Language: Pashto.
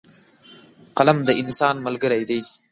قلم د انسان ملګری دی.